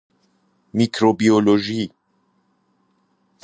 میکروبیولوژی